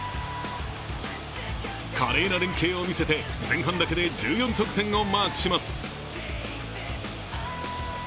華麗な連携を見せて前半だけで１４得点をマークします。